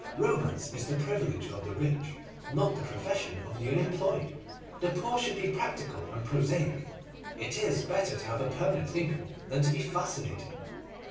Romance is the privilege of the rich, not the profession of the unemployed. The poor should be practical and prosaic. It is better to have a permanent income than to be fascinating.